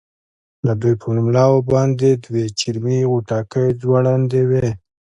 د دوی پر ملاو باندې دوې چرمي غوټکۍ ځوړندې وې.